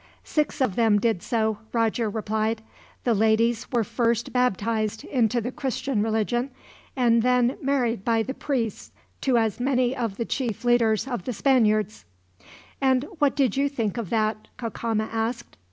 "Six of them did so," Roger replied. "The ladies were first baptized into the Christian religion, and then married by the priests to as many of the chief leaders of the Spaniards." "And what did you think of that?" Cacama asked.